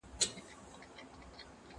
دا مکتب له هغه ښه دی؟